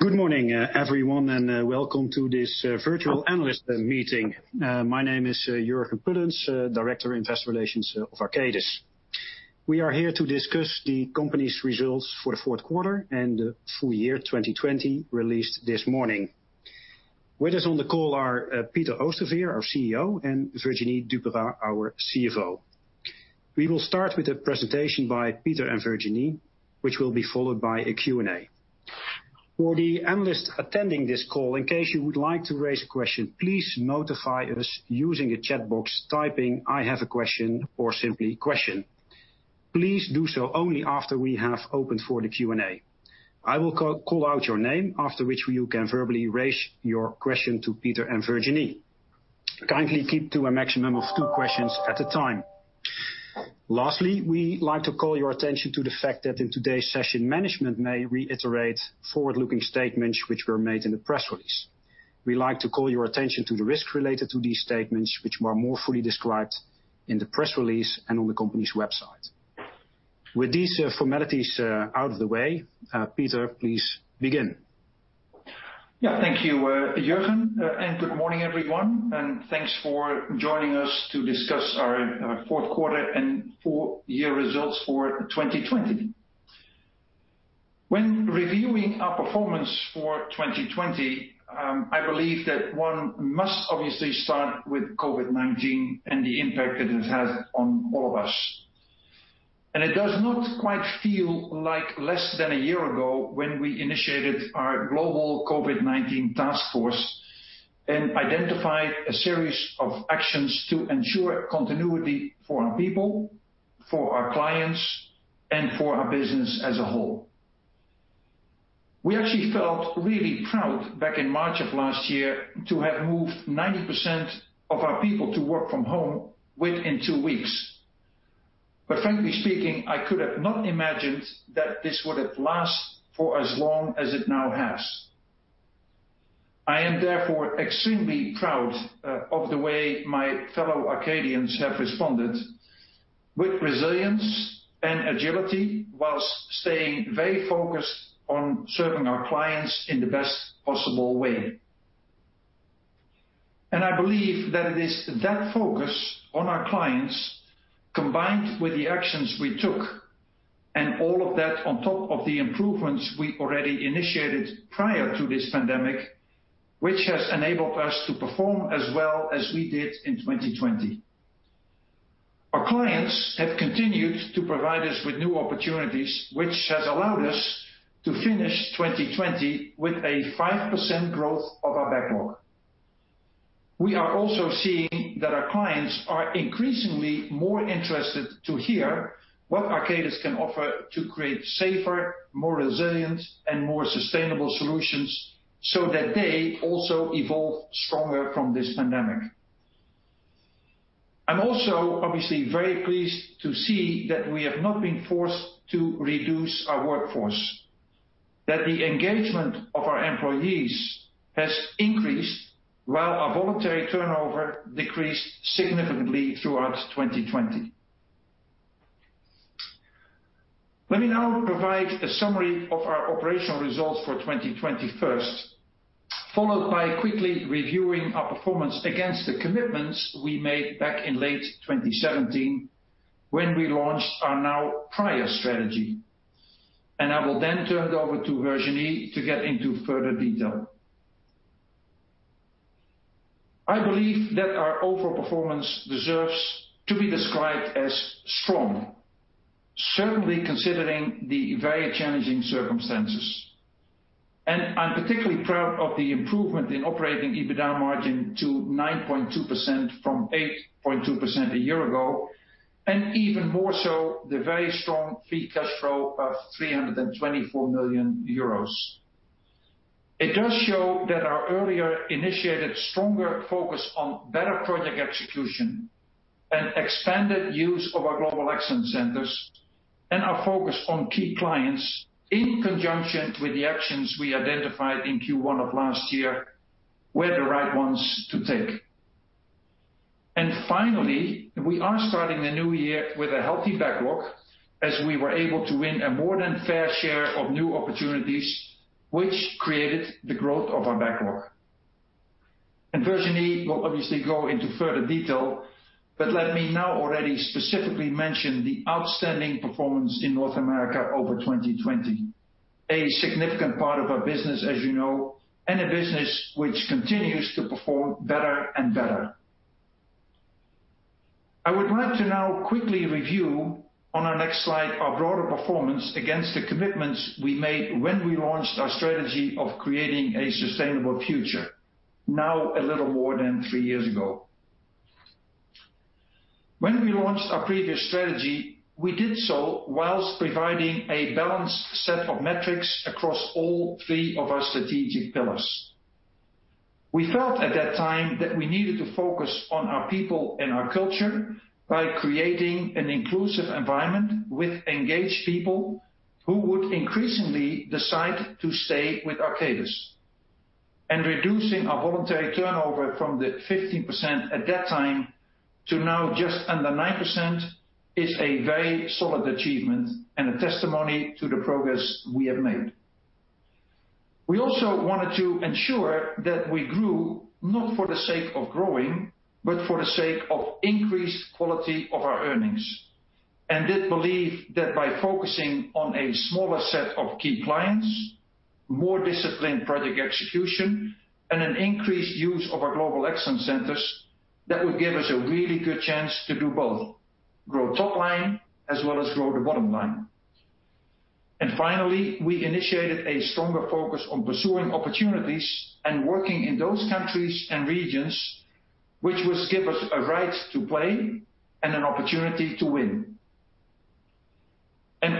Good morning, everyone, welcome to this virtual analyst meeting. My name is Jurgen Pullens, Director, Investor Relations of Arcadis. We are here to discuss the company's results for the fourth quarter and the full year 2020 released this morning. With us on the call are Peter Oosterveer, our CEO, and Virginie Duperat-Vergne, our CFO. We will start with a presentation by Peter and Virginie, which will be followed by a Q&A. For the analysts attending this call, in case you would like to raise a question, please notify us using the chat box, typing, "I have a question," or simply, "Question." Please do so only after we have opened for the Q&A. I will call out your name, after which you can verbally raise your question to Peter and Virginie. Kindly keep to a maximum of two questions at a time. Lastly, we'd like to call your attention to the fact that in today's session, management may reiterate forward-looking statements which were made in the press release. We like to call your attention to the risks related to these statements, which are more fully described in the press release and on the company's website. With these formalities out of the way, Peter, please begin. Thank you, Jurgen, good morning, everyone, and thanks for joining us to discuss our fourth quarter and full year results for 2020. When reviewing our performance for 2020, I believe that one must obviously start with COVID-19 and the impact that it has on all of us. It does not quite feel like less than a year ago when we initiated our global COVID-19 task force and identified a series of actions to ensure continuity for our people, for our clients, and for our business as a whole. We actually felt really proud back in March of last year to have moved 90% of our people to work from home within two weeks. Frankly speaking, I could have not imagined that this would have lasted for as long as it now has. I am therefore extremely proud of the way my fellow Arcadians have responded with resilience and agility while staying very focused on serving our clients in the best possible way. I believe that it is that focus on our clients, combined with the actions we took, and all of that on top of the improvements we already initiated prior to this pandemic, which has enabled us to perform as well as we did in 2020. Our clients have continued to provide us with new opportunities, which has allowed us to finish 2020 with a 5% growth of our backlog. We are also seeing that our clients are increasingly more interested to hear what Arcadis can offer to create safer, more resilient, and more sustainable solutions so that they also evolve stronger from this pandemic. I'm also obviously very pleased to see that we have not been forced to reduce our workforce, that the engagement of our employees has increased while our voluntary turnover decreased significantly throughout 2020. Let me now provide a summary of our operational results for 2020 first, followed by quickly reviewing our performance against the commitments we made back in late 2017 when we launched our now prior strategy. And I will then turn it over to Virginie to get into further detail. I believe that our overall performance deserves to be described as strong, certainly considering the very challenging circumstances. I'm particularly proud of the improvement in operating EBITDA margin to 9.2% from 8.2% a year ago, and even more so, the very strong free cash flow of 324 million euros. It does show that our earlier initiated stronger focus on better project execution and expanded use of our Global Excellence Centers and our focus on key clients in conjunction with the actions we identified in Q1 of last year were the right ones to take. Finally, we are starting the new year with a healthy backlog as we were able to win a more than fair share of new opportunities, which created the growth of our backlog. Virginie will obviously go into further detail, but let me now already specifically mention the outstanding performance in North America over 2020. A significant part of our business, as you know, and a business which continues to perform better and better. I would like to now quickly review on our next slide, our broader performance against the commitments we made when we launched our strategy of creating a sustainable future, now a little more than three years ago. When we launched our previous strategy, we did so whilst providing a balanced set of metrics across all three of our strategic pillars. We felt at that time that we needed to focus on our people and our culture by creating an inclusive environment with engaged people who would increasingly decide to stay with Arcadis. Reducing our voluntary turnover from the 15% at that time to now just under 9% is a very solid achievement and a testimony to the progress we have made. We also wanted to ensure that we grew not for the sake of growing, but for the sake of increased quality of our earnings, did believe that by focusing on a smaller set of key clients, more disciplined project execution, and an increased use of our Global Excellence Centers, that would give us a really good chance to do both grow top line as well as grow the bottom line. Finally, we initiated a stronger focus on pursuing opportunities and working in those countries and regions which would give us a right to play and an opportunity to win.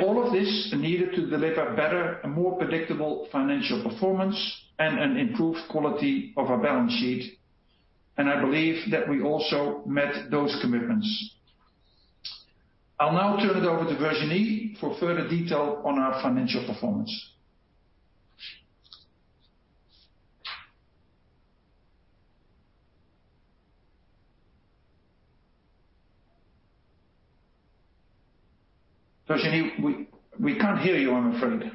All of this needed to deliver better and more predictable financial performance and an improved quality of our balance sheet. I believe that we also met those commitments. I'll now turn it over to Virginie for further detail on our financial performance. Virginie, we can't hear you, I'm afraid.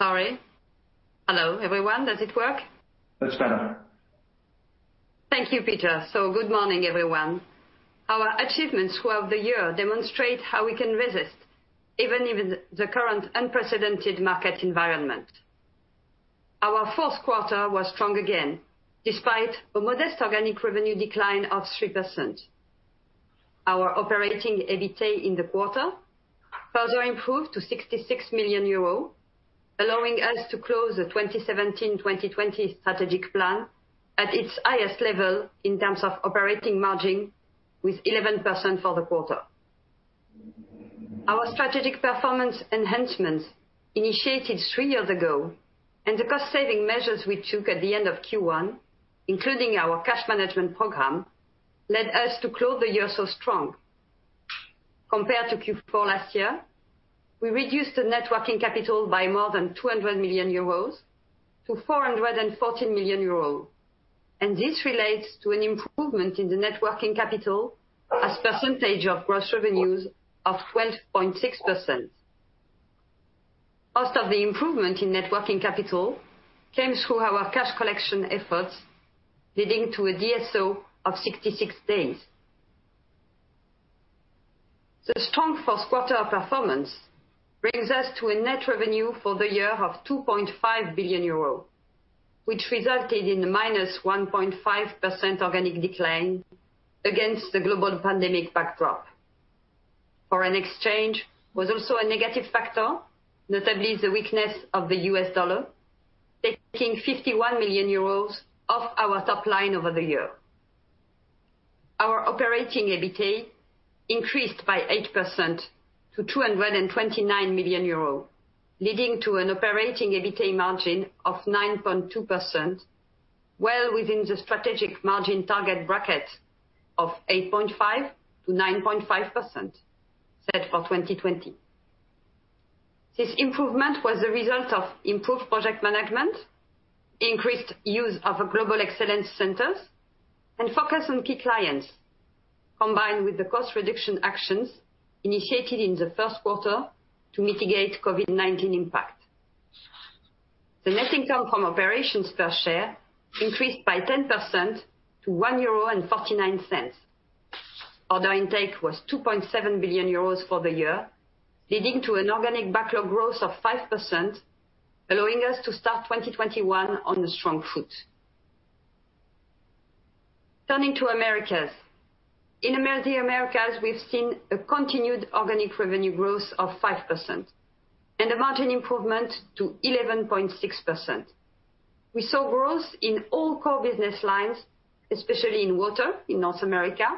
Sorry. Hello, everyone. Does it work? That's better. Thank you, Peter. Good morning, everyone. Our achievements throughout the year demonstrate how we can resist even the current unprecedented market environment. Our fourth quarter was strong again, despite a modest organic revenue decline of 3%. Our operating EBITDA in the quarter further improved to 66 million euros, allowing us to close the 2017, 2020 strategic plan at its highest level in terms of operating margin with 11% for the quarter. Our strategic performance enhancements initiated three years ago and the cost saving measures we took at the end of Q1, including our cash management program, led us to close the year so strong. Compared to Q4 last year, we reduced the Net Working Capital by more than 200 million-440 million euros, and this relates to an improvement in the Net Working Capital as percentage of gross revenues of 12.6%. Most of the improvement in Net Working Capital came through our cash collection efforts, leading to a DSO of 66 days. The strong fourth quarter performance brings us to a net revenue for the year of 2.5 billion euros, which resulted in a -1.5% organic decline against the global pandemic backdrop. Foreign exchange was also a negative factor, notably the weakness of the U.S. dollar, taking 51 million euros of our top line over the year. Our operating EBITDA increased by 8% to 229 million euros, leading to an operating EBITDA margin of 9.2%, well within the strategic margin target bracket of 8.5%-9.5% set for 2020. This improvement was a result of improved project management, increased use of our Global Excellence Centers, and focus on key clients, combined with the cost reduction actions initiated in the first quarter to mitigate COVID-19 impact. The net income from operations per share increased by 10% to 1.49 euro. Order intake was 2.7 billion euros for the year, leading to an organic backlog growth of 5%, allowing us to start 2021 on a strong foot. Turning to Americas. In the Americas, we've seen a continued organic revenue growth of 5% and a margin improvement to 11.6%. We saw growth in all core business lines, especially in water in North America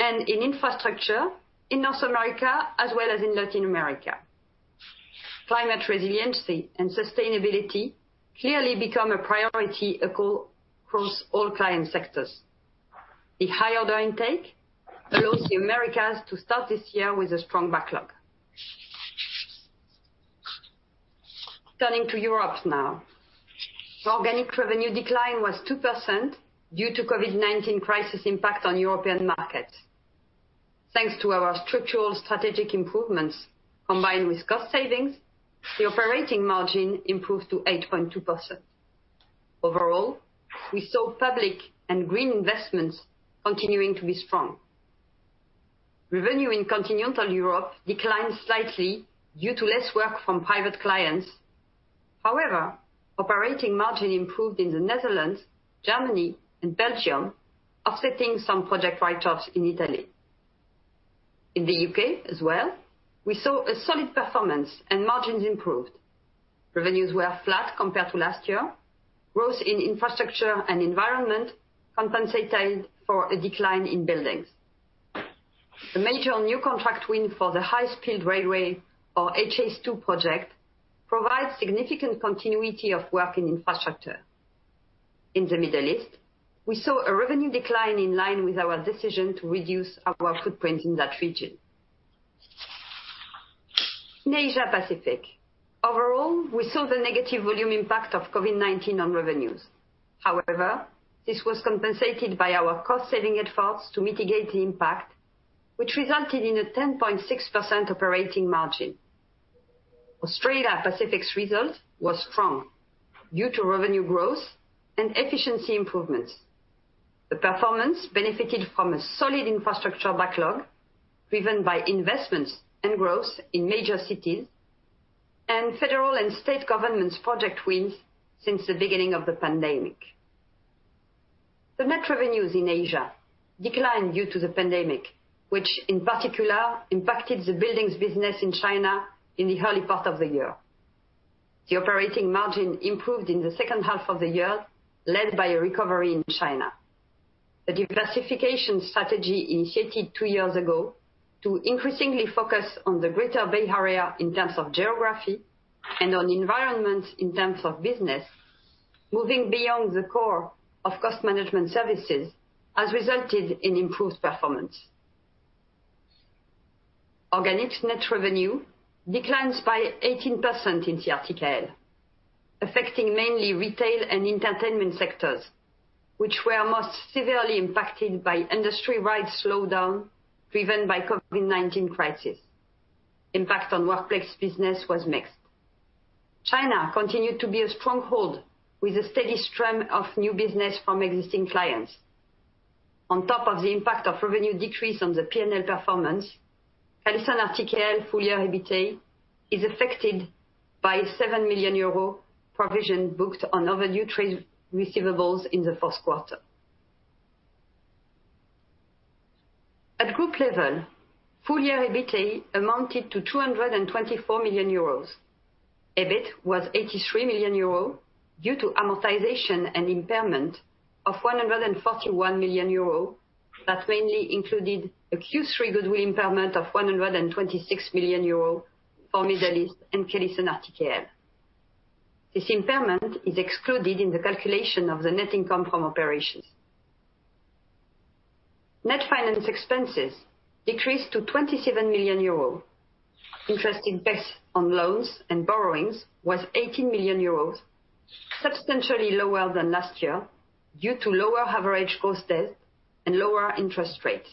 and in infrastructure in North America as well as in Latin America. Climate resiliency and sustainability clearly become a priority across all client sectors. A high order intake allows the Americas to start this year with a strong backlog. Turning to Europe now. Organic revenue decline was 2% due to COVID-19 crisis impact on European markets. Thanks to our structural strategic improvements, combined with cost savings, the operating margin improved to 8.2%. Overall, we saw public and green investments continuing to be strong. Revenue in continental Europe declined slightly due to less work from private clients. However, operating margin improved in the Netherlands, Germany, and Belgium, offsetting some project write-offs in Italy. In the U.K. as well, we saw a solid performance and margins improved. Revenues were flat compared to last year. Growth in infrastructure and environment compensated for a decline in buildings. The major new contract win for the High-Speed Railway, or HS2 project, provides significant continuity of work in infrastructure. In the Middle East, we saw a revenue decline in line with our decision to reduce our footprint in that region. In Asia Pacific, overall, we saw the negative volume impact of COVID-19 on revenues. However, this was compensated by our cost-saving efforts to mitigate the impact, which resulted in a 10.6% operating margin. Australia Pacific's result was strong due to revenue growth and efficiency improvements. The performance benefited from a solid infrastructure backlog driven by investments and growth in major cities and federal and state governments' project wins since the beginning of the pandemic. The net revenues in Asia declined due to the pandemic, which in particular impacted the buildings business in China in the early part of the year. The operating margin improved in the second half of the year, led by a recovery in China. The diversification strategy initiated two years ago to increasingly focus on the Greater Bay Area in terms of geography and on environment in terms of business, moving beyond the core of cost management services, has resulted in improved performance. Organic net revenue declines by 18% in CallisonRTKL, affecting mainly retail and entertainment sectors, which were most severely impacted by industry-wide slowdown driven by COVID-19 crisis. Impact on workplace business was mixed. China continued to be a stronghold with a steady stream of new business from existing clients. On top of the impact of revenue decrease on the P&L performance, CallisonRTKL full year EBITDA is affected by 7 million euro provision booked on overdue trade receivables in the first quarter. At group level, full year EBITDA amounted to 224 million euros. EBIT was 83 million euros due to amortization and impairment of 141 million euros that mainly included a Q3 goodwill impairment of 126 million euros for Middle East and CallisonRTKL. This impairment is excluded in the calculation of the net income from operations. Net finance expenses decreased to 27 million euro. Interest in bets on loans and borrowings was 18 million euros, substantially lower than last year due to lower average cost debt and lower interest rates.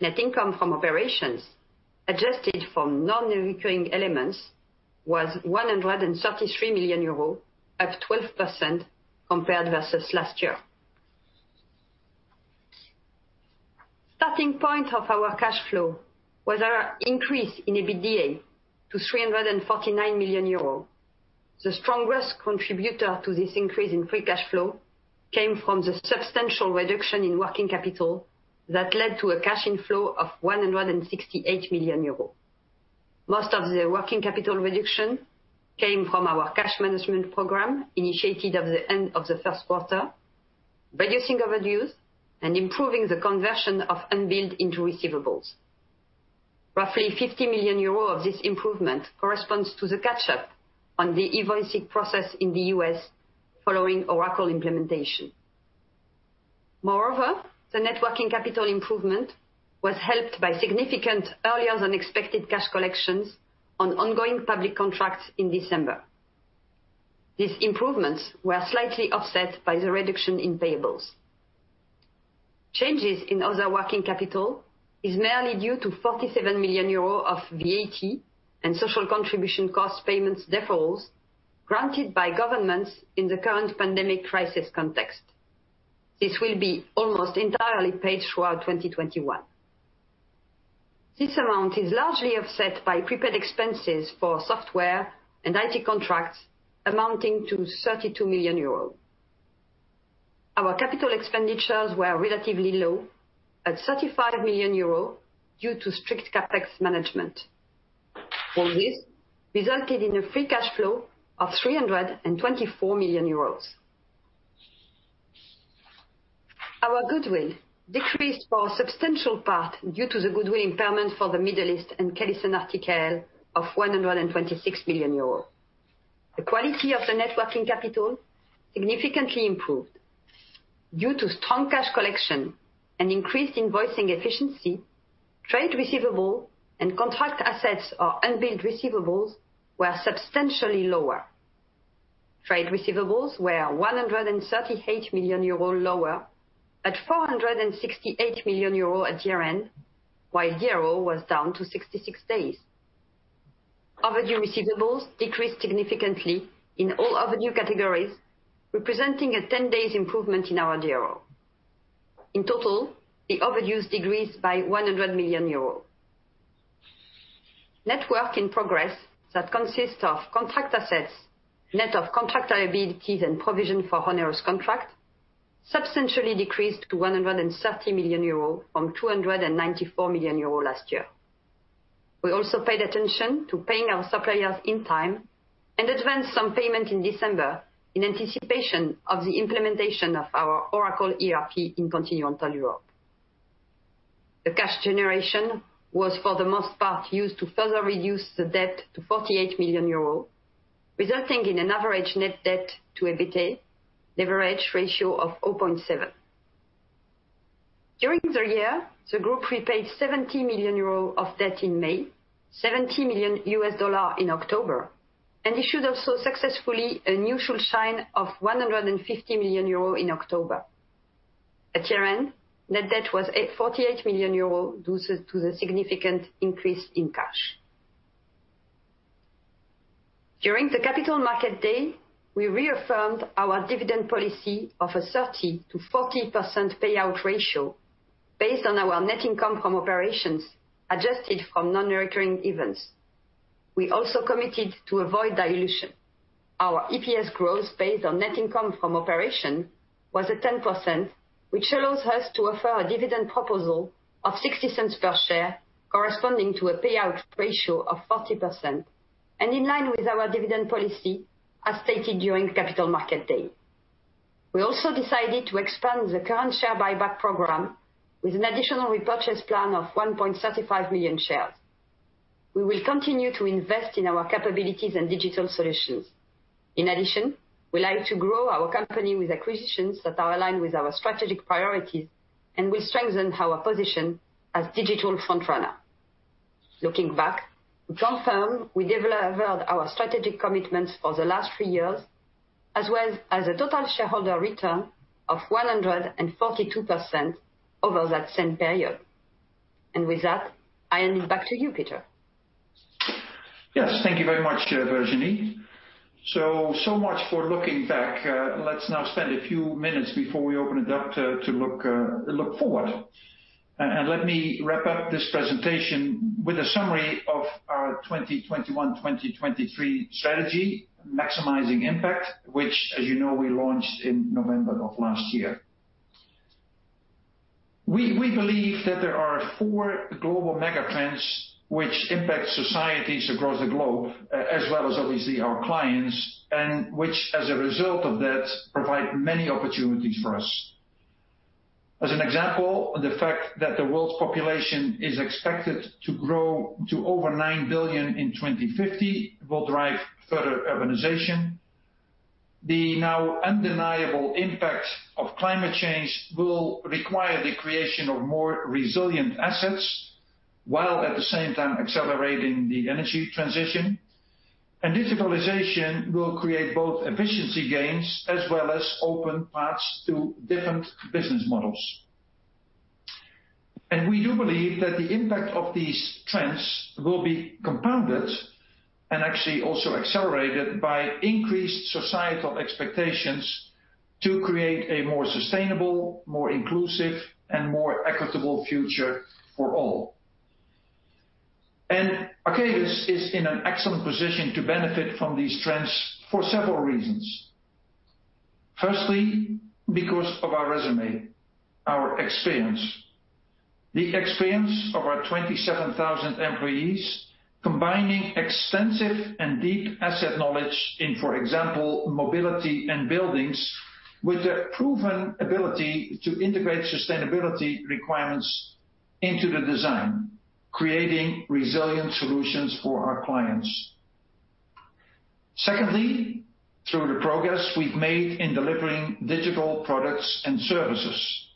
Net income from operations adjusted from non-recurring elements was 133 million euros, up 12% compared versus last year. Starting point of our cash flow was our increase in EBITDA to 349 million euros. The strongest contributor to this increase in free cash flow came from the substantial reduction in working capital that led to a cash inflow of 168 million euros. Most of the working capital reduction came from our cash management program, initiated at the end of the first quarter, reducing overviews and improving the conversion of unbilled into receivables. Roughly 50 million euros of this improvement corresponds to the catch up on the e-invoicing process in the U.S. following Oracle implementation. Moreover, the Net Working Capital improvement was helped by significant earlier than expected cash collections on ongoing public contracts in December. These improvements were slightly offset by the reduction in payables. Changes in other working capital is mainly due to 47 million euros of VAT and social contribution cost payments defferals granted by governments in the current pandemic crisis context. This will be almost entirely paid throughout 2021. This amount is largely offset by prepaid expenses for software and IT contracts amounting to 32 million euros. Our capital expenditures were relatively low at 35 million euros due to strict CapEx management. All this resulted in a free cash flow of 324 million euros. Our goodwill decreased for a substantial part due to the goodwill impairment for the Middle East and CallisonRTKL of 126 million euros. The quality of the Net Working Capital significantly improved. Due to strong cash collection and increased invoicing efficiency, trade receivable and contract assets or unbilled receivables were substantially lower. Trade receivables were 138 million euro lower at 468 million euro at year-end, while DRO was down to 66 days. Overdue receivables decreased significantly in all overdue categories, representing a 10 days improvement in our DRO. In total, the overdues decreased by 100 million euros. Net Working Capital that consists of contract assets, net of contract liabilities, and provision for onerous contract substantially decreased to 130 million euros from 294 million euros last year. We also paid attention to paying our suppliers in time and advanced some payment in December in anticipation of the implementation of our Oracle ERP in Continental Europe. The cash generation was, for the most part, used to further reduce the debt to 48 million euros, resulting in an average net debt to EBITDA leverage ratio of 0.7. During the year, the group repaid 70 million euros of debt in May, $70 million in October, and issued also successfully a new share of 150 million euro in October. At year-end, net debt was at 48 million euro due to the significant increase in cash. During the Capital Markets Day, we reaffirmed our dividend policy of a 30%-40% payout ratio based on our net income from operations, adjusted from non-recurring events. We also committed to avoid dilution. Our EPS growth based on net income from operation was at 10%, which allows us to offer a dividend proposal of 0.60 per share, corresponding to a payout ratio of 40%, and in line with our dividend policy as stated during Capital Markets Day. We also decided to expand the current share buyback program with an additional repurchase plan of 1.35 million shares. We will continue to invest in our capabilities and digital solutions. In addition, we like to grow our company with acquisitions that are aligned with our strategic priorities, and will strengthen our position as digital frontrunner. Looking back, we confirm we delivered our strategic commitments for the last three years, as well as a total shareholder return of 142% over that same period. With that, I hand back to you, Peter. Yes, thank you very much, Virginie. So much for looking back. Let's now spend a few minutes before we open it up to look forward. Let me wrap up this presentation with a summary of our 2021-2023 strategy, Maximizing Impact, which, as you know, we launched in November of last year. We believe that there are four global mega trends which impact societies across the globe, as well as obviously our clients, and which, as a result of that, provide many opportunities for us. As an example, the fact that the world's population is expected to grow to over nine billion in 2050 will drive further urbanization. The now undeniable impact of climate change will require the creation of more resilient assets, while at the same time accelerating the energy transition. Digitalization will create both efficiency gains as well as open paths to different business models. We do believe that the impact of these trends will be compounded and actually also accelerated by increased societal expectations to create a more sustainable, more inclusive, and more equitable future for all. Arcadis is in an excellent position to benefit from these trends for several reasons. Firstly, because of our resume, our experience. The experience of our 27,000 employees, combining extensive and deep asset knowledge in, for example, mobility and buildings, with a proven ability to integrate sustainability requirements into the design, creating resilient solutions for our clients. Secondly, through the progress we've made in delivering digital products and services,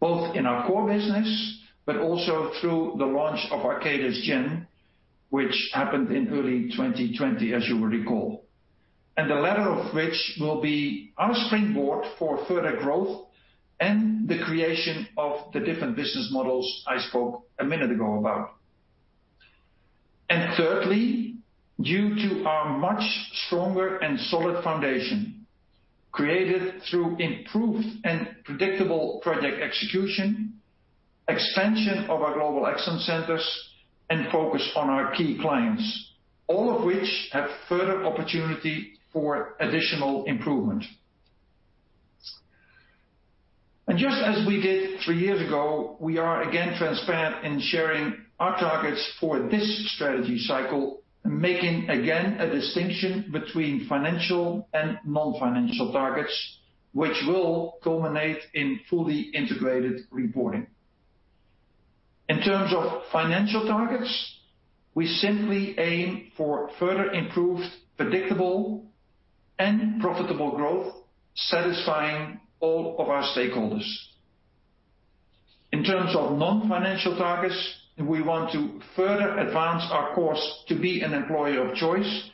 both in our core business, but also through the launch of Arcadis Gen, which happened in early 2020, as you will recall. The latter of which will be our springboard for further growth and the creation of the different business models I spoke a minute ago about. Thirdly, due to our much stronger and solid foundation, created through improved and predictable project execution, expansion of our Global Excellence Centers, and focus on our key clients, all of which have further opportunity for additional improvement. Just as we did three years ago, we are again transparent in sharing our targets for this strategy cycle, making again a distinction between financial and non-financial targets, which will culminate in fully integrated reporting. In terms of financial targets, we simply aim for further improved, predictable, and profitable growth, satisfying all of our stakeholders. In terms of non-financial targets, we want to further advance our course to be an employer of choice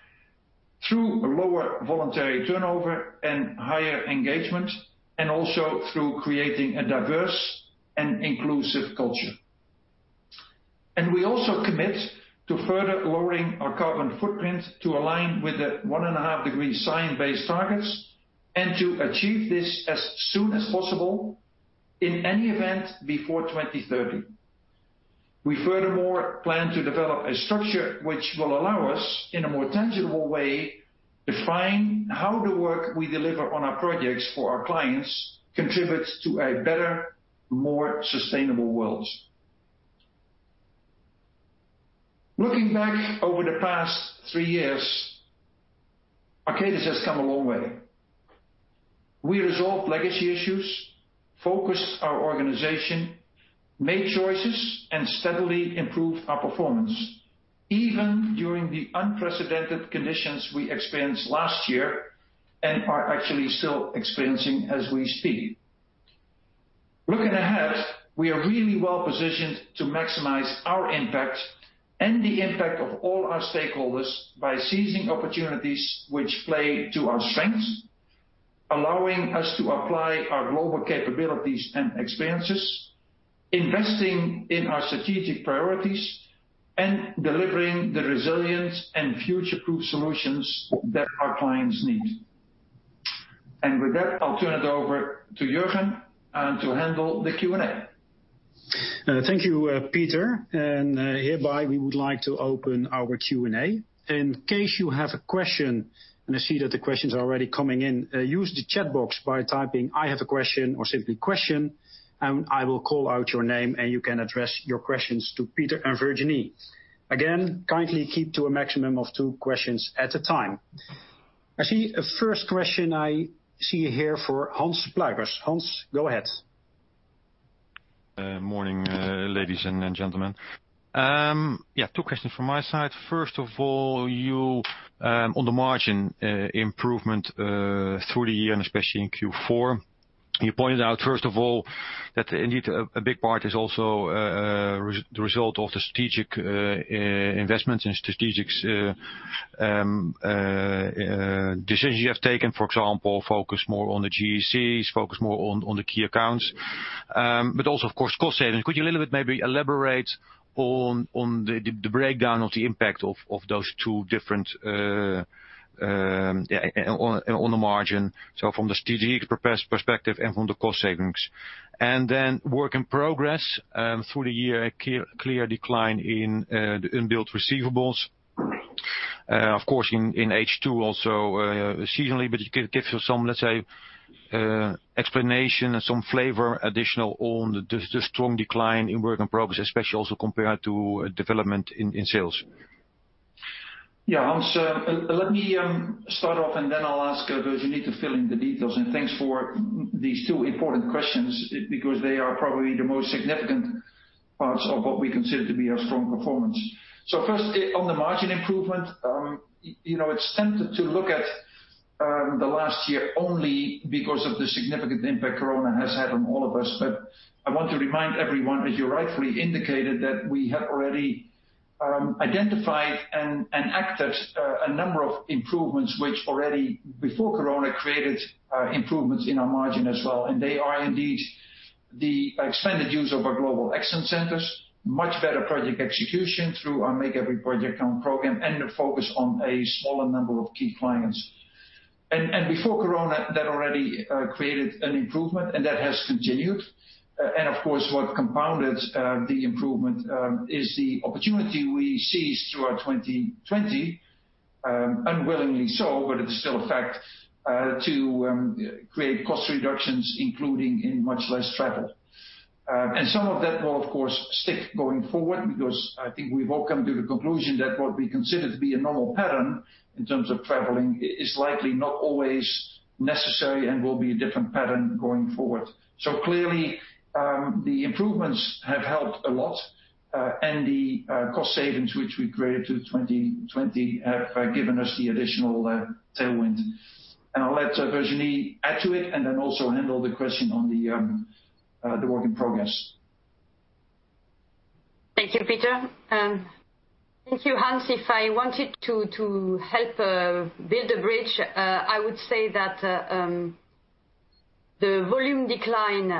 through lower voluntary turnover and higher engagement, and also through creating a diverse and inclusive culture. We also commit to further lowering our carbon footprint to align with the one and a half degree Science-Based Targets, and to achieve this as soon as possible, in any event, before 2030. We furthermore plan to develop a structure which will allow us, in a more tangible way, define how the work we deliver on our projects for our clients contributes to a better, more sustainable world. Looking back over the past three years, Arcadis has come a long way. We resolved legacy issues, focused our organization, made choices, and steadily improved our performance even during the unprecedented conditions we experienced last year, and are actually still experiencing as we speak. Looking ahead, we are really well-positioned to maximize our impact and the impact of all our stakeholders by seizing opportunities which play to our strengths, allowing us to apply our global capabilities and experiences, investing in our strategic priorities, and delivering the resilient and future-proof solutions that our clients need. With that, I'll turn it over to Jurgen to handle the Q&A. Thank you, Peter. Hereby, we would like to open our Q&A. In case you have a question, I see that the questions are already coming in, use the chat box by typing, "I have a question," or simply, "Question," I will call out your name and you can address your questions to Peter and Virginie. Again, kindly keep to a maximum of two questions at a time. Actually, a first question I see here for Hans Pluijgers. Hans, go ahead. Morning, ladies and gentlemen. Two questions from my side. First of all, on the margin improvement through the year and especially in Q4, you pointed out first of all that indeed a big part is also the result of the strategic investments and strategic decisions you have taken. For example, focus more on the GECs, focus more on the key accounts, also of course, cost saving. Could you a little bit maybe elaborate on the breakdown of the impact of those two different on the margin? So from the strategic perspective and from the cost savings. Work in progress, through the year, a clear decline in the unbilled receivables. Of course, in H2 also seasonally, could you give some, let's say, explanation and some flavor additional on the strong decline in work in progress, especially also compared to development in sales. Hans, let me start off and then I'll ask Virginie to fill in the details, thanks for these two important questions, because they are probably the most significant parts of what we consider to be our strong performance. First, on the margin improvement. You know it's tempted to look at the last year only because of the significant impact Corona has had on all of us. I want to remind everyone, as you rightfully indicated, that we have already identified and acted a number of improvements, which already, before Corona, created improvements in our margin as well. They are indeed the expanded use of our Global Excellence Centers, much better project execution through our Make Every Project Count program, and the focus on a smaller number of key clients. Before Corona, that already created an improvement, and that has continued. Of course, what compounded the improvement is the opportunity we seized throughout 2020, unwillingly so, but it is still a fact, to create cost reductions, including in much less travel. Some of that will, of course, stick going forward because I think we've all come to the conclusion that what we consider to be a normal pattern in terms of traveling is likely not always necessary and will be a different pattern going forward. Clearly, the improvements have helped a lot, and the cost savings which we created through 2020 have given us the additional tailwind. I'll let Virginie add to it and then also handle the question on the work in progress. Thank you, Peter. Thank you, Hans. If I wanted to help build a bridge, I would say that the volume decline,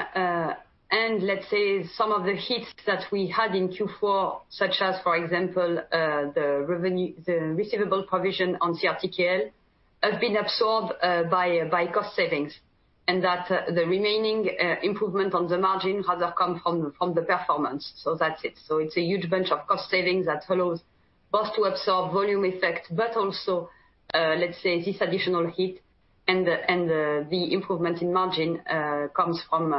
and let's say some of the hits that we had in Q4, such as, for example, the receivable provision on CRTKL, have been absorbed by cost savings, and that the remaining improvement on the margin has come from the performance. That's it. It's a huge bunch of cost savings that follows both to absorb volume effect, but also, let's say, this additional hit and the improvement in margin comes from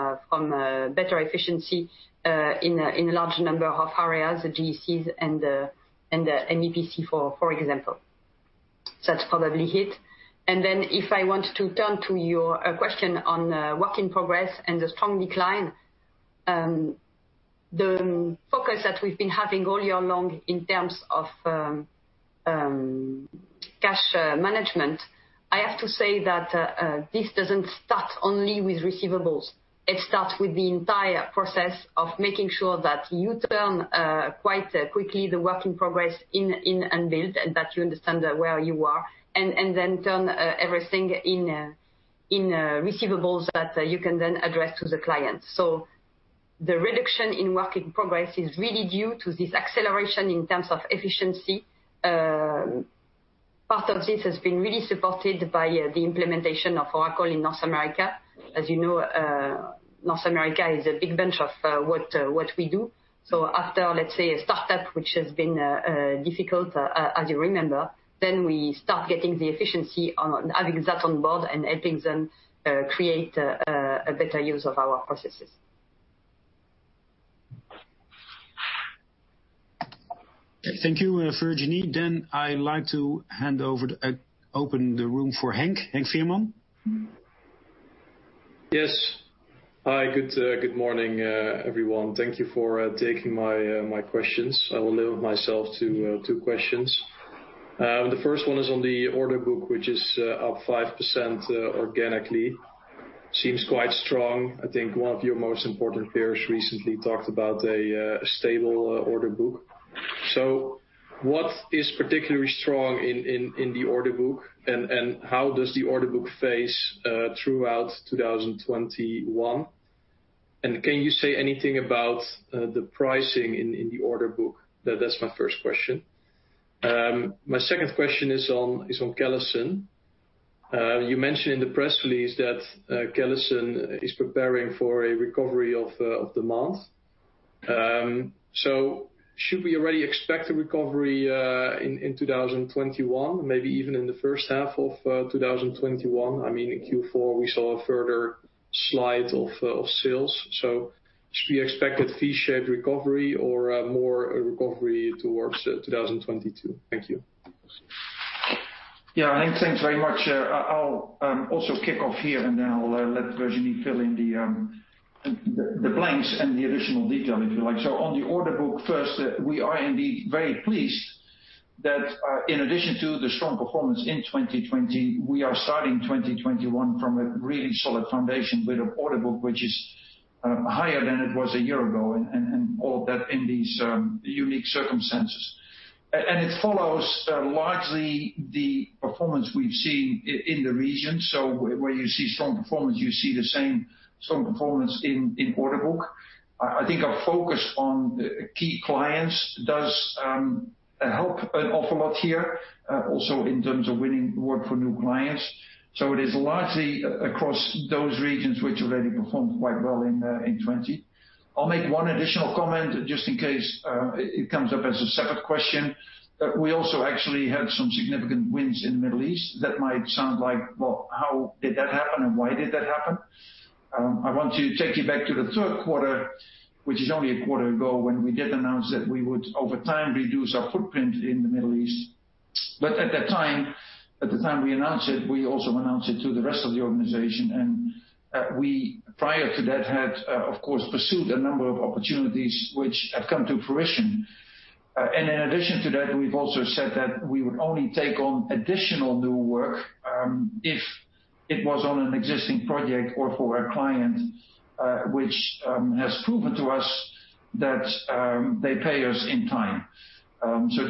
better efficiency in large number of areas, the GECs and the MEPC, for example. That's probably it. If I want to turn to your question on work in progress and the strong decline. The focus that we've been having all year long in terms of cash management, I have to say that this doesn't start only with receivables. It starts with the entire process of making sure that you turn quite quickly the work in progress in unbilled and that you understand where you are, and then turn everything in receivables that you can then address to the client. The reduction in work in progress is really due to this acceleration in terms of efficiency. Part of this has been really supported by the implementation of Oracle in North America. As you know, North America is a big bunch of what we do. After, let's say, a startup, which has been difficult, as you remember, then we start getting the efficiency on having that on board and helping them create a better use of our processes. Thank you, Virginie. I'd like to open the room for Henk [veerman]. Yes. Hi, good morning, everyone. Thank you for taking my questions. I will limit myself to two questions. The first one is on the order book, which is up 5% organically. Seems quite strong. I think one of your most important peers recently talked about a stable order book. What is particularly strong in the order book, and how does the order book face throughout 2021? Can you say anything about the pricing in the order book? That's my first question. My second question is on Callison. You mentioned in the press release that Callison is preparing for a recovery of demand. Should we already expect a recovery in 2021, maybe even in the first half of 2021? I mean, in Q4, we saw a further slide of sales. Should we expect a V-shaped recovery or more a recovery towards 2022? Thank you. Yeah. Henk, thanks very much. I'll also kick off here, and then I'll let Virginie fill in the blanks and the additional detail, if you like. On the order book first, we are indeed very pleased that in addition to the strong performance in 2020, we are starting 2021 from a really solid foundation with an order book which is higher than it was a year ago, and all of that in these unique circumstances. It follows largely the performance we've seen in the region. Where you see strong performance, you see the same strong performance in order book. I think our focus on key clients does help an awful lot here, also in terms of winning work for new clients. It is largely across those regions which already performed quite well in 2020. I'll make one additional comment just in case it comes up as a separate question. We also actually had some significant wins in Middle East that might sound like, well, how did that happen and why did that happen? I want to take you back to the third quarter, which is only a quarter ago, when we did announce that we would over time reduce our footprint in the Middle East. At the time we announced it, we also announced it to the rest of the organization, and we prior to that had, of course, pursued a number of opportunities which have come to fruition. In addition to that, we've also said that we would only take on additional new work, if it was on an existing project or for a client which has proven to us that they pay us in time.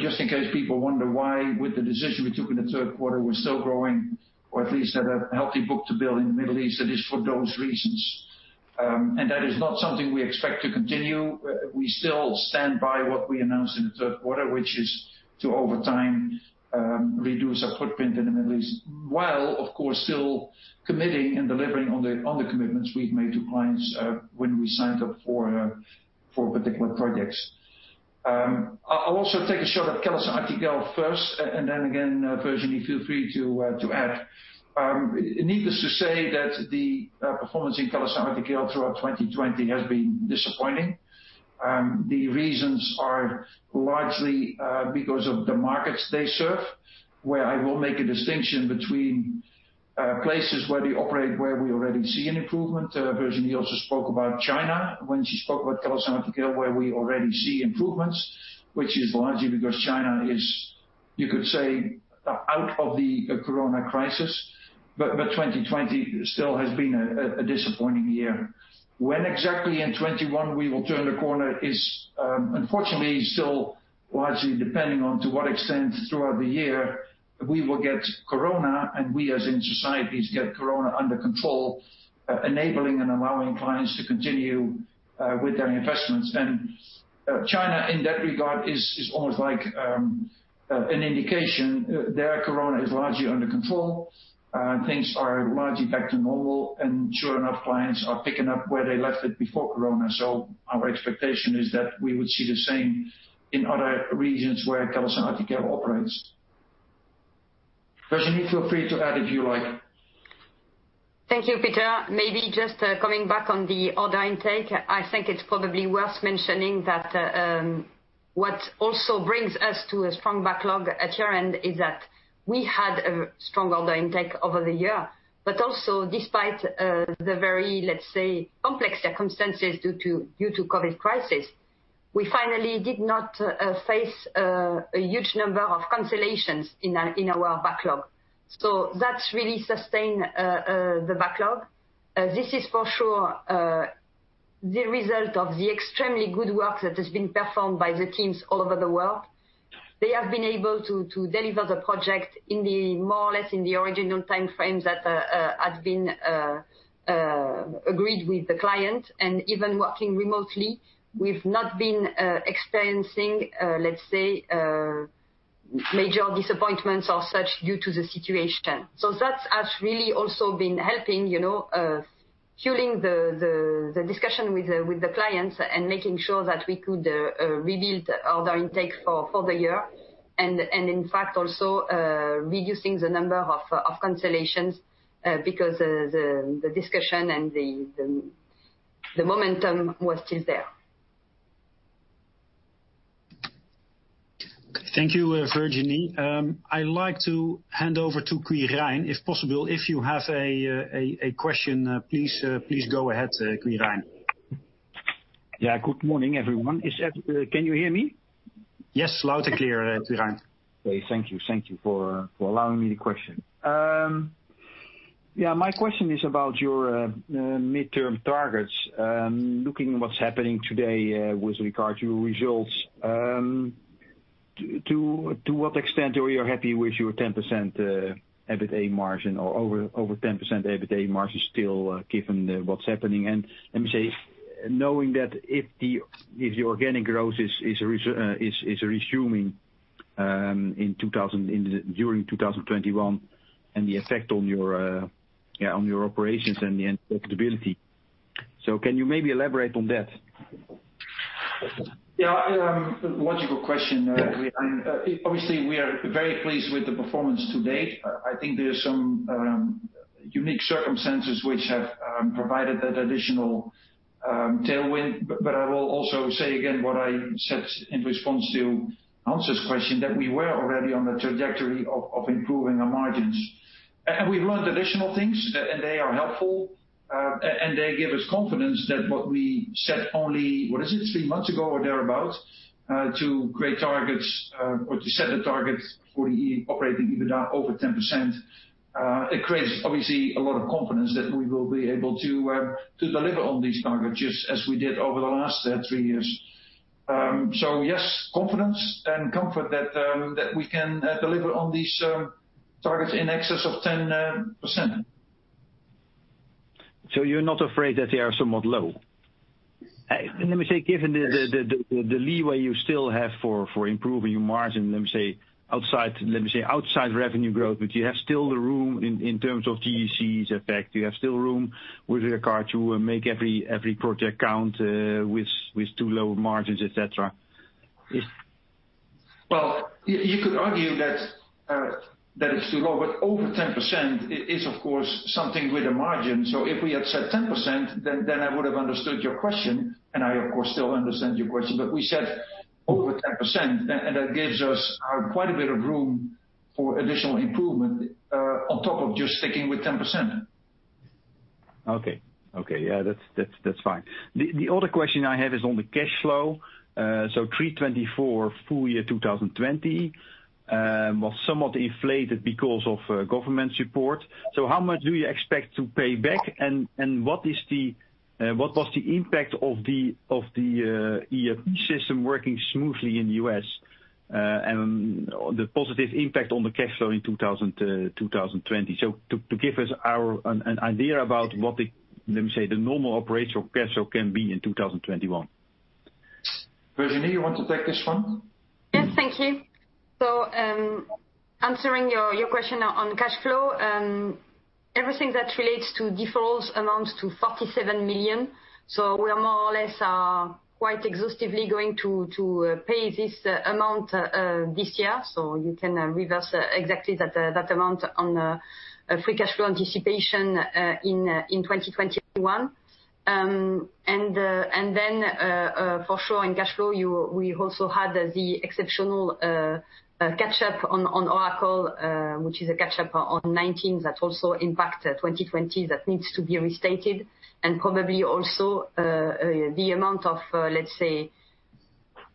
Just in case people wonder why with the decision we took in the third quarter, we are still growing, or at least had a healthy book-to-bill in the Middle East, it is for those reasons. That is not something we expect to continue. We still stand by what we announced in the third quarter, which is to, over time, reduce our footprint in the Middle East, while of course, still committing and delivering on the commitments we have made to clients when we signed up for particular projects. I will also take a shot at CallisonRTKL first, then again, Virginie, feel free to add. Needless to say that the performance in CallisonRTKL throughout 2020 has been disappointing. The reasons are largely because of the markets they serve, where I will make a distinction between places where they operate, where we already see an improvement. Virginie also spoke about China when she spoke about CallisonRTKL, where we already see improvements, which is largely because China is, you could say, out of the Coronavirus crisis. 2020 still has been a disappointing year. When exactly in 2021 we will turn the corner is unfortunately still largely depending on to what extent throughout the year we will get Coronavirus, and we as in societies, get Coronavirus under control, enabling and allowing clients to continue with their investments. China in that regard is almost like an indication. Their Coronavirus is largely under control, things are largely back to normal, and sure enough, clients are picking up where they left it before Coronavirus. Our expectation is that we would see the same in other regions where CallisonRTKL operates. Virginie, feel free to add if you like. Thank you, Peter. Just coming back on the order intake, I think it's probably worth mentioning that what also brings us to a strong backlog at year-end is that we had a strong order intake over the year. Also despite the very, let's say, complex circumstances due to COVID crisis, we finally did not face a huge number of cancellations in our backlog. That really sustained the backlog. This is for sure the result of the extremely good work that has been performed by the teams all over the world. They have been able to deliver the project more or less in the original time frames that had been agreed with the client. Even working remotely, we've not been experiencing, let's say, major disappointments or such due to the situation. That has really also been helping fueling the discussion with the clients and making sure that we could rebuild order intake for the year. In fact, also reducing the number of cancellations because the discussion and the momentum was still there. Thank you, Virginie. I'd like to hand over to Quirijn, if possible. If you have a question, please go ahead, sir Quirijn. Yeah. Good morning, everyone. Can you hear me? Yes. Loud and clear, Quirijn. Okay. Thank you for allowing me the question. My question is about your midterm targets. Looking at what's happening today with regard to your results, to what extent are you happy with your over 10% EBITDA margin still, given what's happening? Knowing that if the organic growth is resuming during 2021 and the effect on your operations and the profitability, can you maybe elaborate on that? Yeah. A logical question, Quirijn. Obviously, we are very pleased with the performance to date. I think there's some unique circumstances which have provided that additional tailwind. I will also say again what I said in response to Hans' question, that we were already on the trajectory of improving our margins. We've learned additional things, and they are helpful, and they give us confidence that what we said only, what is it, three months ago or thereabout, to set the target for the operating EBITDA over 10%, it creates, obviously, a lot of confidence that we will be able to deliver on these targets as we did over the last three years. Yes, confidence and comfort that we can deliver on these targets in excess of 10%. You're not afraid that they are somewhat low? Let me say, given the leeway you still have for improving your margin, outside revenue growth, but you have still the room in terms of GECs effect. You have still room with regard to Make Every Project Count with too low margins, et cetera. Well, you could argue that it's too low, but over 10% is, of course, something with a margin. If we had said 10%, then I would have understood your question, and I, of course, still understand your question, but we said over 10%, and that gives us quite a bit of room for additional improvement on top of just sticking with 10%. Okay. Yeah, that's fine. The other question I have is on the cash flow. 324 full year 2020 was somewhat inflated because of government support. How much do you expect to pay back, and what was the impact of the ERP system working smoothly in the U.S., and the positive impact on the cash flow in 2020? To give us an idea about what the normal operational cash flow can be in 2021. Virginie, you want to take this one? Yes, thank you. Answering your question on cash flow. Everything that relates to deferrals amounts to 47 million. We are more or less quite exhaustively going to pay this amount this year. You can reverse exactly that amount on free cash flow anticipation in 2021. For sure in cash flow, we also had the exceptional catch up on Oracle, which is a catch up on 2019 that also impacted 2020 that needs to be restated. Probably also the amount of, let's say,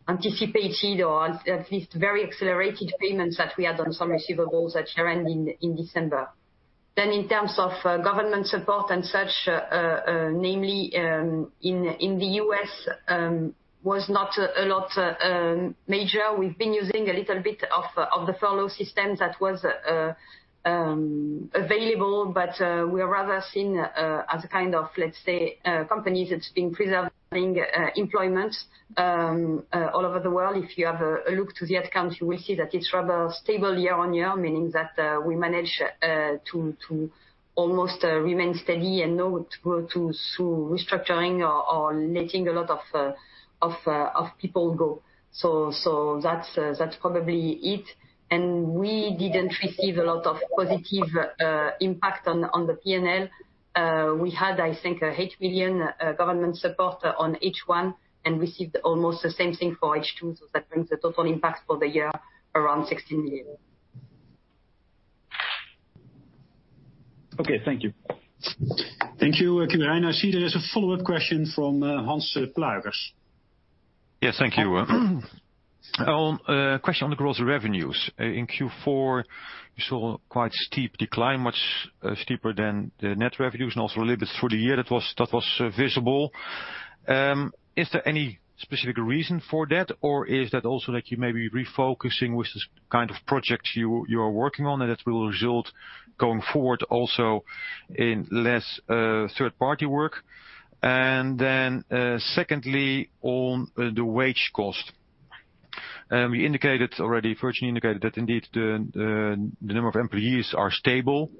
anticipated or at least very accelerated payments that we had on some receivables that year end in December. In terms of government support and such, namely in the U.S., was not a lot major. We've been using a little bit of the furlough system that was available, we are rather seen as a kind of, let's say, company that's been preserving employment all over the world. If you have a look to the head count, you will see that it's rather stable year-on-year, meaning that we managed to almost remain steady and not go to restructuring or letting a lot of people go. That's probably it, and we didn't receive a lot of positive impact on the P&L. We had, I think, a 8 million government support on H1, and received almost the same thing for H2. That brings the total impact for the year around 16 million. Okay. Thank you. Thank you, Quirijn. I see there is a follow-up question from Hans Pluijgers. Yes, thank you. Question on the gross revenues. In Q4, we saw quite steep decline, much steeper than the net revenues and also a little bit through the year that was visible. Is there any specific reason for that, or is that also that you may be refocusing with this kind of project you are working on, and that will result going forward also in less third-party work? Secondly, on the wage cost. Virginie indicated that indeed the number of employees are stable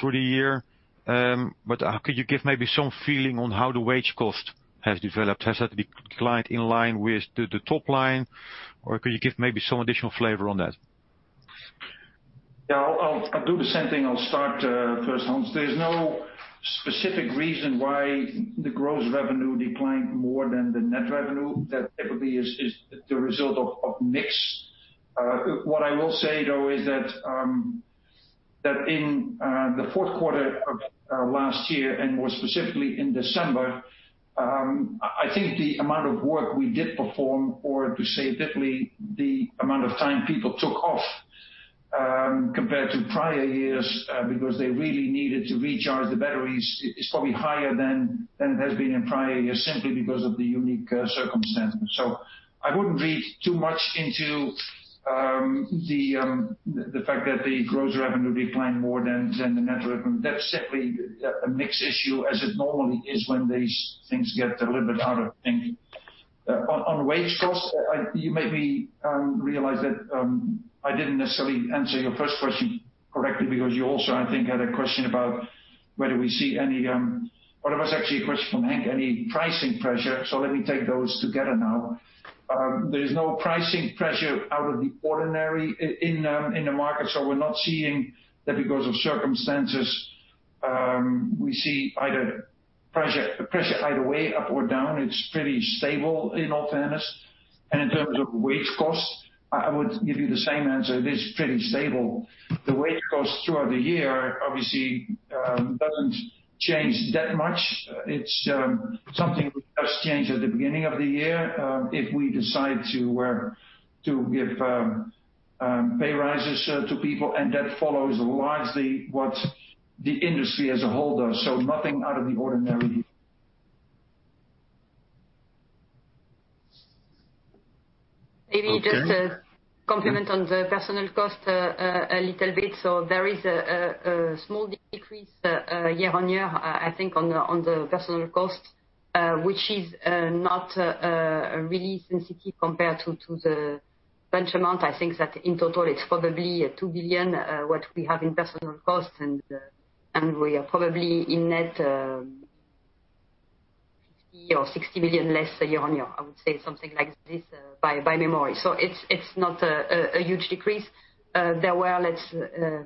through the year. Could you give maybe some feeling on how the wage cost has developed? Has that declined in line with the top line, or could you give maybe some additional flavor on that? Yeah. I'll do the same thing. I'll start first, Hans. There's no specific reason why the gross revenue declined more than the net revenue. That typically is the result of mix. What I will say, though, is that in the fourth quarter of 2020, and more specifically in December, I think the amount of work we did perform, or to say differently, the amount of time people took off, compared to prior years, because they really needed to recharge the batteries, is probably higher than it has been in prior years simply because of the unique circumstances. I wouldn't read too much into the fact that the gross revenue declined more than the net revenue. That's simply a mix issue as it normally is when these things get a little bit out of sync. On wage costs, you made me realize that I didn't necessarily answer your first question correctly because you also, I think, had a question about whether we see any Well, it was actually a question from Henk, any pricing pressure. Let me take those together now. There's no pricing pressure out of the ordinary in the market. We're not seeing that because of circumstances. We see pressure either way, up or down. It's pretty stable in all fairness. In terms of wage costs, I would give you the same answer. It is pretty stable. The wage costs throughout the year, obviously, doesn't change that much. It's something we just change at the beginning of the year, if we decide to give pay rises to people, and that follows largely what the industry as a whole does. Nothing out of the ordinary. Maybe just to complement on the personnel cost a little bit. There is a small decrease year-on-year, I think on the personnel cost, which is not really sensitive compared to the bench amount. I think that in total it's probably 2 billion, what we have in personnel costs, and we are probably in net 50 million or 60 million less year-on-year. I would say something like this by memory. It's not a huge decrease. There were, let's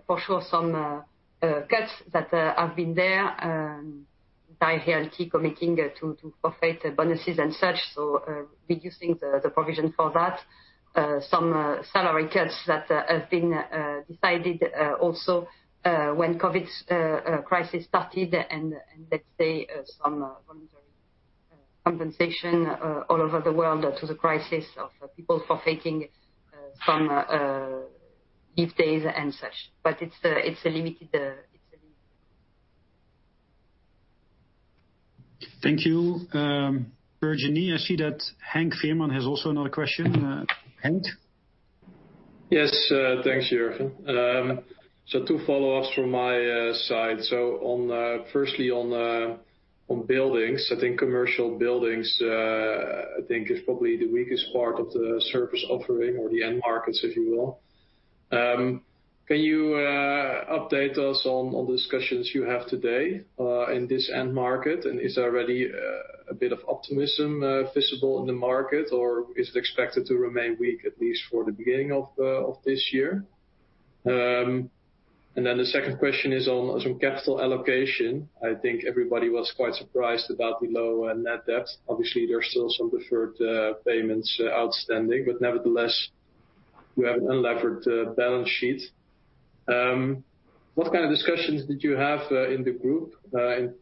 for sure, some cuts that have been there by Arcadians committing to forfeit bonuses and such. Reducing the provision for that. Some salary cuts that have been decided also when COVID crisis started and let's say some voluntary compensation all over the world to the crisis of people forfeiting some leave days and such. It's limited. Thank you, Virginie. I see that Henk Veerman has also another question. Henk? Yes. Thanks, Jurgen. Two follow-ups from my side. Firstly on buildings, I think commercial buildings, I think is probably the weakest part of the service offering or the end markets, if you will. Can you update us on discussions you have today in this end market? Is there already a bit of optimism visible in the market or is it expected to remain weak, at least for the beginning of this year? The second question is on some capital allocation. I think everybody was quite surprised about the low net debt. Obviously, there's still some deferred payments outstanding but nevertheless, you have an unlevered balance sheet. What kind of discussions did you have in the group in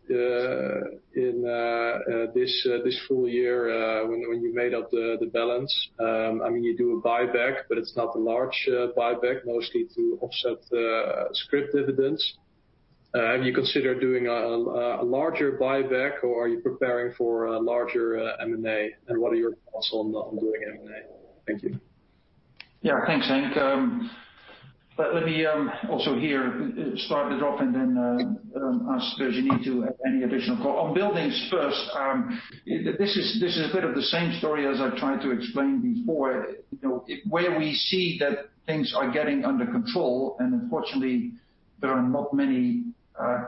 this full year, when you made up the balance? You do a buyback, but it's not a large buyback, mostly to offset the scrip dividends. Have you considered doing a larger buyback or are you preparing for a larger M&A? What are your thoughts on not doing M&A? Thank you. Yeah. Thanks, Henk. Let me also here start the drop and then ask Virginie to add any additional comment. On buildings first, this is a bit of the same story as I tried to explain before. We see that things are getting under control, and unfortunately there are not many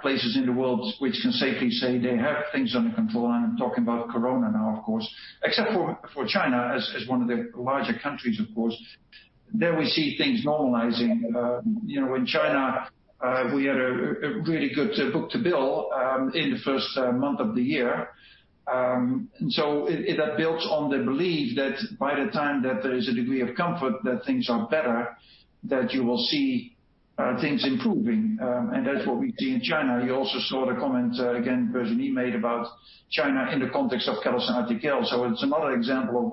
places in the world which can safely say they have things under control, and I am talking about Coronavirus now, of course. Except for China as one of the larger countries, of course. We see things normalizing. In China, we had a really good book-to-bill in the first month of the year. That builds on the belief that by the time that there is a degree of comfort that things are better, that you will see things improving. That is what we see in China. You also saw the comment again, Virginie made about China in the context of CallisonRTKL. It's another example of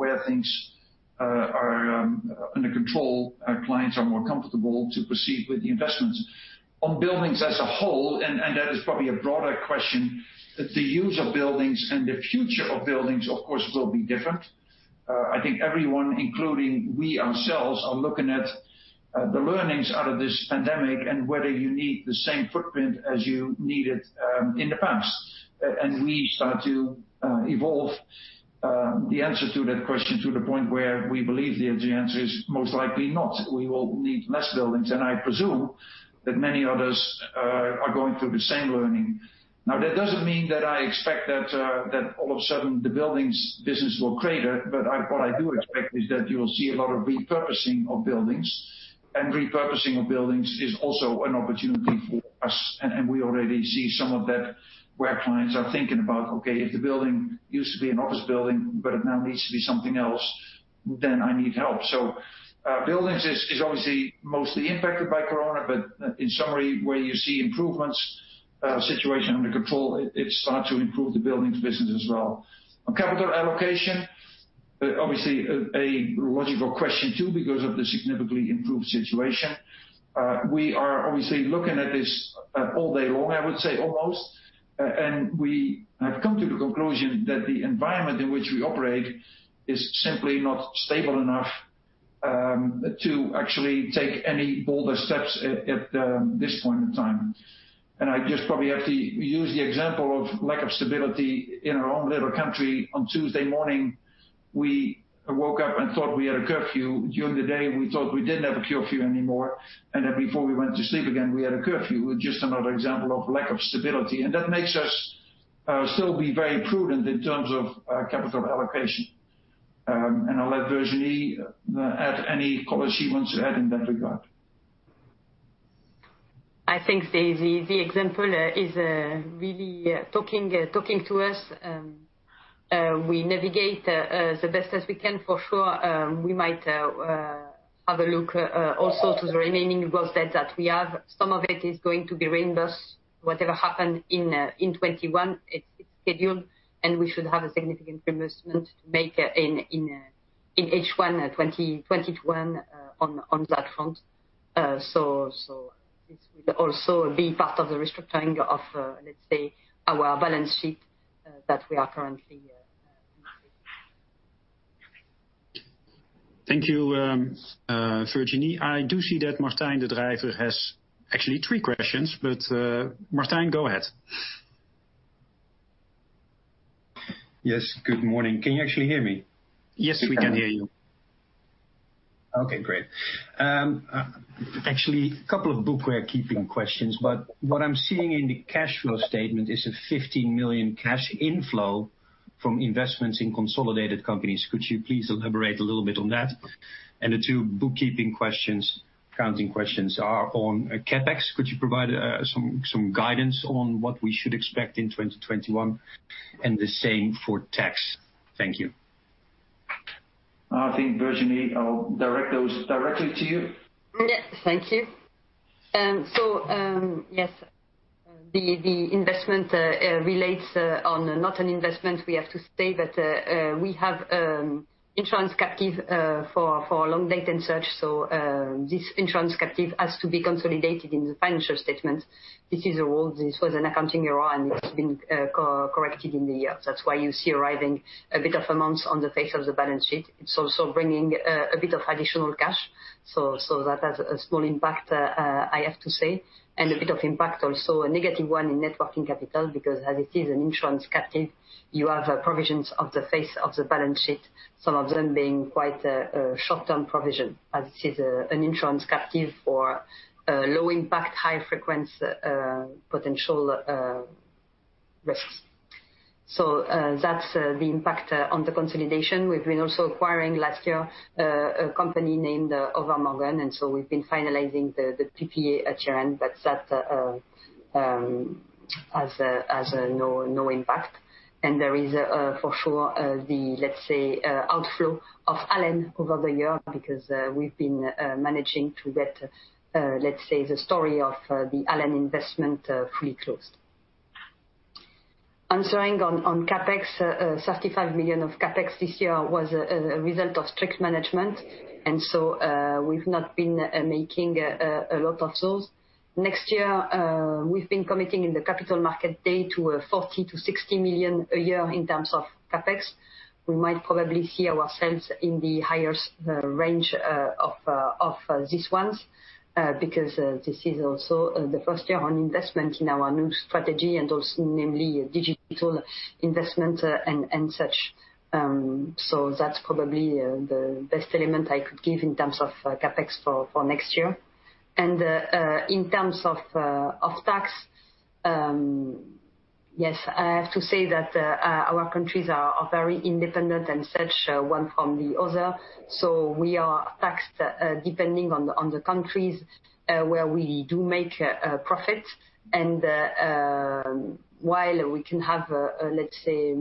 where things are under control. Our clients are more comfortable to proceed with the investments. On buildings as a whole, and that is probably a broader question, that the use of buildings and the future of buildings, of course, will be different. I think everyone, including we ourselves, are looking at the learnings out of this pandemic and whether you need the same footprint as you needed in the past. We start to evolve the answer to that question to the point where we believe the answer is most likely not. We will need less buildings, and I presume that many others are going through the same learning. Now, that doesn't mean that I expect that all of a sudden the buildings business will crater. What I do expect is that you will see a lot of repurposing of buildings. Repurposing of buildings is also an opportunity for us, and we already see some of that where clients are thinking about, "Okay, if the building used to be an office building, but it now needs to be something else, then I need help." Buildings is obviously mostly impacted by Coronavirus, but in summary, where you see improvements, situation under control, it starts to improve the buildings business as well. On capital allocation, obviously a logical question, too, because of the significantly improved situation. We are obviously looking at this all day long, I would say, almost. We have come to the conclusion that the environment in which we operate is simply not stable enough to actually take any bolder steps at this point in time. I just probably have to use the example of lack of stability in our own little country. On Tuesday morning, we woke up and thought we had a curfew. During the day, we thought we didn't have a curfew anymore, before we went to sleep again, we had a curfew with just another example of lack of stability. That makes us still be very prudent in terms of capital allocation. I'll let Virginie add any color she wants to add in that regard. I think the example is really talking to us. We navigate the best as we can, for sure. We might have a look also to the remaining growth that we have. Some of it is going to reimbursed. Whatever happened in 2021, it's scheduled, and we should have a significant reimbursement to make in H1 2021 on that front. This will also be part of the restructuring of, let's say, our balance sheet that we are currently increasing. Thank you, Virginie. I do see that Martijn den Drijver has actually three questions, but Martijn, go ahead. Yes, good morning. Can you actually hear me? Okay, great. Actually, couple of bookkeeping questions. What I'm seeing in the cash flow statement is a 15 million cash inflow from investments in consolidated companies. Could you please elaborate a little bit on that? The two bookkeeping questions, accounting questions are on CapEx. Could you provide some guidance on what we should expect in 2021 and the same for tax? Thank you. I think, Virginie, I'll direct those directly to you. Yeah. Thank you. Yes, the investment relates on not an investment. We have to say that we have insurance captive for long-term and such. This insurance captive has to be consolidated in the financial statements. This is a rule. This was an accounting error, and it's been corrected in the year. That's why you see arriving a bit of amounts on the face of the balance sheet. It's also bringing a bit of additional cash. That has a small impact, I have to say, and a bit of impact also, a negative one in Net Working Capital, because as it is an insurance captive, you have provisions of the face of the balance sheet, some of them being quite short-term provision, as it is an insurance captive for low impact, high frequency potential risks. That's the impact on the consolidation. We've been also acquiring last year a company named Over Morgen, and so we've been finalizing the PPA at year-end, but that has no impact. There is, for sure, the, let's say, outflow of ALEN over the year because we've been managing to get, let's say, the story of the ALEN investment fully closed. Answering on CapEx, 35 million of CapEx this year was a result of strict management, and so we've not been making a lot of those. Next year, we've been committing in the Capital Markets Day to 40 million-60 million a year in terms of CapEx. We might probably see ourselves in the higher range of these ones because this is also the first year on investment in our new strategy and also namely digital investment and such. That's probably the best element I could give in terms of CapEx for next year. In terms of tax, yes, I have to say that our countries are very independent and such one from the other. We are taxed depending on the countries where we do make profit. While we can have, let's say,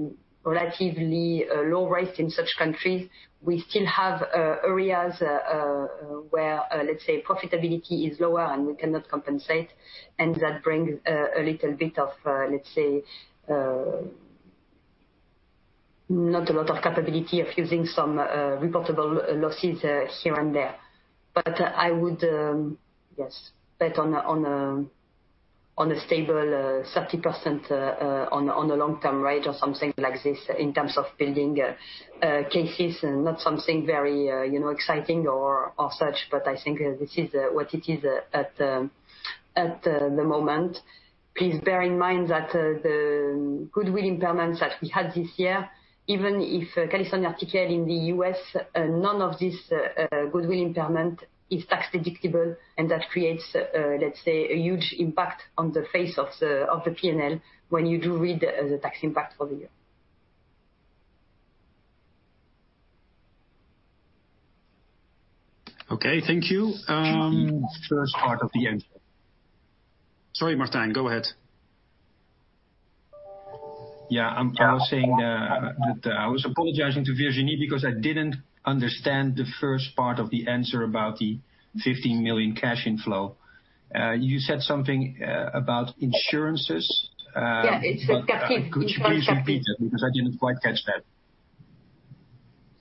relatively low rates in such countries, we still have areas where profitability is lower, and we cannot compensate, and that brings a little bit of, let's say, not a lot of capability of using some reportable losses here and there. I would, yes, bet on a stable 30% on the long-term rate or something like this in terms of building cases and not something very exciting or such, but I think this is what it is at the moment. Please bear in mind that the goodwill impairments that we had this year, even if CallisonRTKL in the U.S., none of this goodwill impairment is tax deductible. That creates a huge impact on the face of the P&L when you do read the tax impact for the year. Okay, thank you. First part of the answer. Sorry, Martijn, go ahead. Yeah. I was apologizing to Virginie because I didn't understand the first part of the answer about the 15 million cash inflow. You said something about insurances. Yeah. It's a captive. Insurance captive. Could you please repeat that because I didn't quite catch that?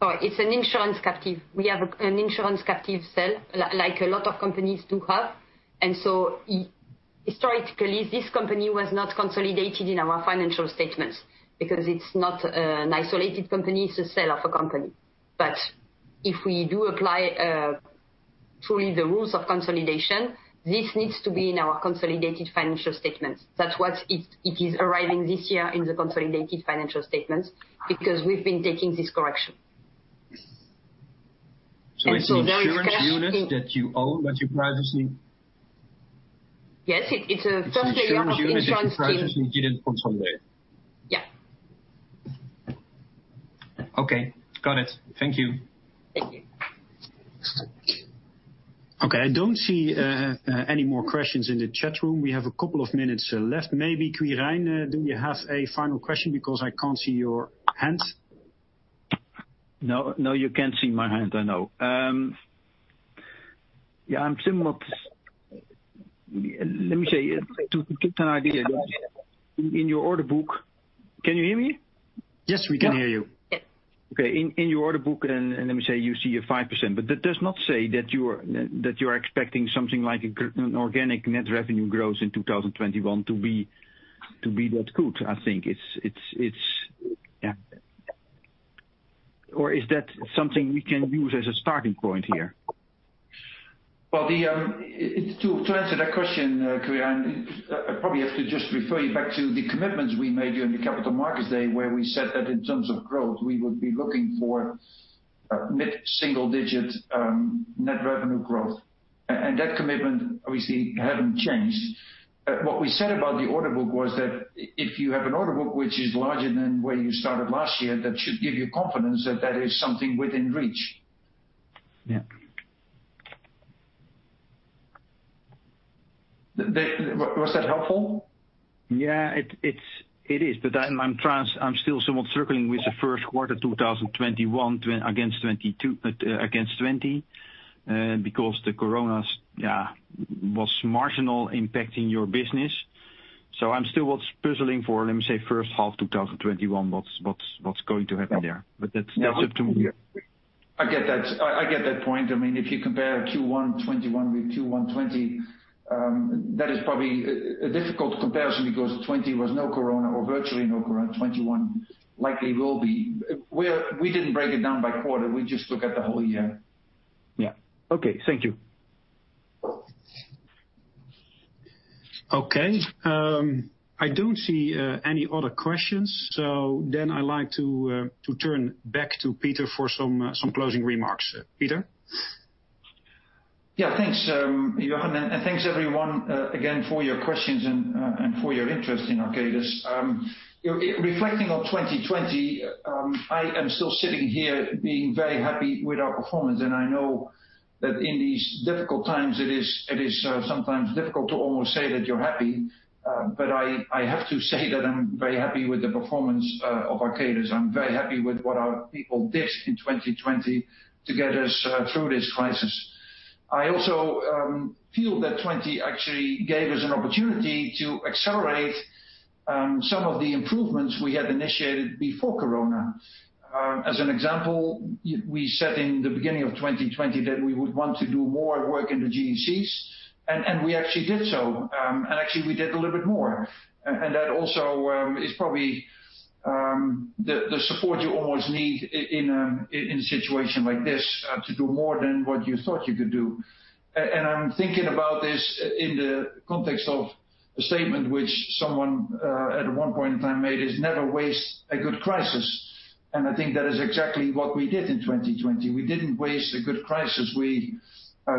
Sorry. It's an insurance captive. We have an insurance captive cell, like a lot of companies do have. Historically, this company was not consolidated in our financial statements because it's not an isolated company, it's a cell of a company. If we do apply truly the rules of consolidation, this needs to be in our consolidated financial statements. That's why it is arriving this year in the consolidated financial statements because we've been taking this correction. It's an insurance unit that you own, that you previously. Yes, it's a subsidiary of insurance- It's an insurance unit that you previously [did] on Sunday. Yeah. Okay. Got it. Thank you. Thank you. I don't see any more questions in the chat room. We have a couple of minutes left. Maybe Quirijn, do you have a final question because I can't see your hand? No, you can't see my hand. I know. Let me say, to get an idea, in your order book. Can you hear me? Yes, we can hear you. Yes. Okay. In your order book, and let me say, you see a 5%, but that does not say that you're expecting something like an organic net revenue growth in 2021 to be that good, I think. Is that something we can use as a starting point here? Well, to answer that question, Quirijn, I probably have to just refer you back to the commitments we made during the Capital Markets Day, where we said that in terms of growth, we would be looking for mid-single digit net revenue growth. That commitment obviously hadn't changed. What we said about the order book was that if you have an order book which is larger than where you started last year, that should give you confidence that that is something within reach. Yeah. Was that helpful? Yeah, it is. I'm still somewhat circling with the first quarter 2021 against 2020, because the Corona was marginal impacting your business. I'm still what's puzzling for, let me say, first half 2021, what's going to happen there? That's up to you. I get that point. If you compare Q1 2021 with Q1 2020, that is probably a difficult comparison because 2020 was no Corona or virtually no Corona, 2021 likely will be. We didn't break it down by quarter. We just look at the whole year. Yeah. Okay. Thank you. Okay. I don't see any other questions, so then I like to turn back to Peter for some closing remarks. Peter? Yeah, thanks, Jurgen, and thanks everyone again for your questions and for your interest in Arcadis. Reflecting on 2020, I am still sitting here being very happy with our performance, and I know that in these difficult times it is sometimes difficult to almost say that you're happy. I have to say that I'm very happy with the performance of Arcadis. I'm very happy with what our people did in 2020 to get us through this crisis. I also feel that 2020 actually gave us an opportunity to accelerate some of the improvements we had initiated before Coronavirus. As an example, we said in the beginning of 2020 that we would want to do more work in the GECs, and we actually did so. Actually we did a little bit more. That also is probably the support you almost need in a situation like this, to do more than what you thought you could do. I'm thinking about this in the context of a statement which someone at one point in time made, is, "Never waste a good crisis." I think that is exactly what we did in 2020. We didn't waste a good crisis. We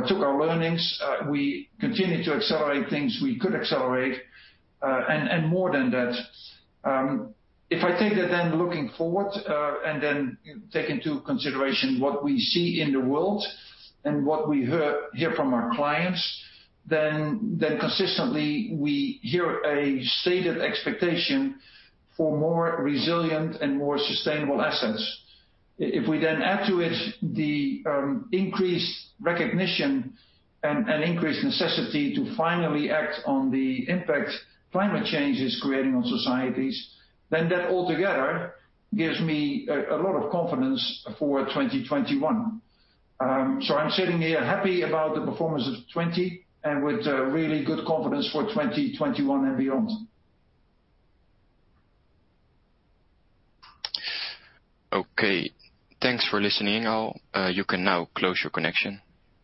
took our learnings. We continued to accelerate things we could accelerate. More than that, if I take that then looking forward, and then take into consideration what we see in the world and what we hear from our clients, then consistently we hear a stated expectation for more resilient and more sustainable assets. If we then add to it the increased recognition and increased necessity to finally act on the impact climate change is creating on societies, then that altogether gives me a lot of confidence for 2021. I'm sitting here happy about the performance of 2020, and with really good confidence for 2021 and beyond. Okay. Thanks for listening, all. You can now close your connection.